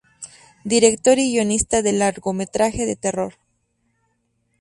Director y guionista del largometraje de terror.